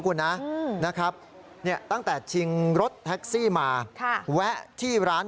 คุณนะนะครับเนี่ยตั้งแต่ชิงรถแท็กซี่มาแวะที่ร้าน